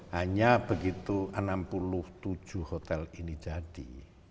hanya begitu enam puluh tujuh hotel ini jadi